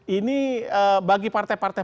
ini bagi partai partai